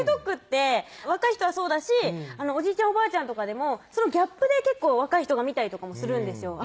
ＴｉｋＴｏｋって若い人はそうだしおじいちゃん・おばあちゃんとかでもそのギャップで結構若い人が見たりとかもするんです